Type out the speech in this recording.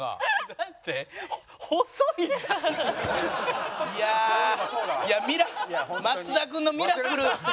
だっていやあ松田君のミラクル。